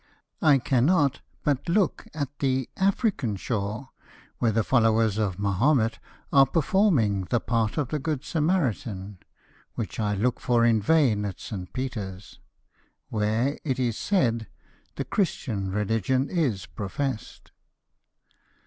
I cannot but look at the African shore, where the followers of Mahomet are performing the part of the good Samaritan, which I look for in vain at St. Peter's, where, it is said, the Christian religion is professed."